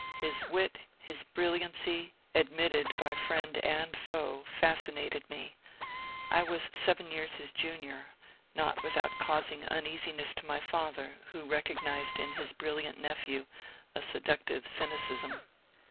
His wit, his brilliancy, admitted by friend and foe, fascinated me, — I was seven years his junior, — not without causing uneasiness to my father, who recognized in his brilliant nephew a seductive cynicism.